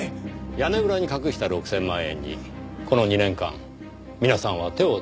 屋根裏に隠した６千万円にこの２年間皆さんは手をつけずにいた。